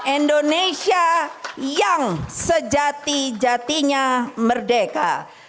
indonesia yang sejati jatinya merdeka